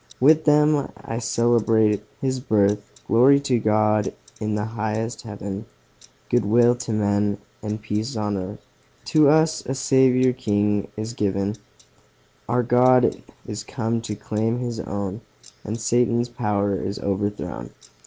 With them I celebrate His birth Glory to God, in highest Heaven, Good will to men, and peace on earth, To us a Saviour king is given; Our God is come to claim His own, And Satan's power is overthrown!